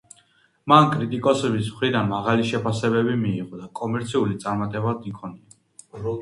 მან კრიტიკოსების მხრიდან მაღალი შეფასებები მიიღო და კომერციული წარმატება იქონია.